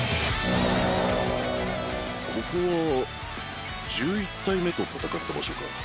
ここは１１体目と戦った場所か。